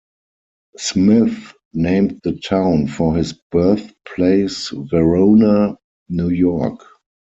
Smith named the town for his birthplace Verona, New York.